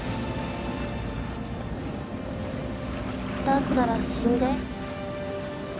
だったら死んで